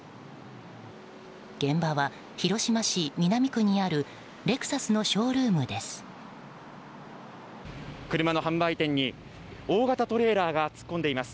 現場は広島市南区にあるレクサスのショールームです。